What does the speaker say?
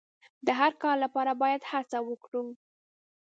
د هر کار لپاره باید هڅه وکړو.